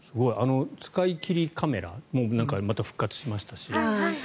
使い切りカメラもまた復活しましたし。